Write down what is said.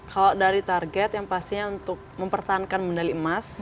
kalau dari target yang pastinya untuk mempertahankan medali emas